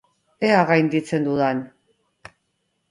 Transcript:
Ea gainditzen dudan!